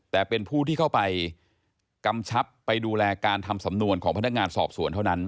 แต่เป็นผู้ที่เข้าไปกำชับไปดูแลการทำสำนวนของพนักงานสอบสวนเท่านั้น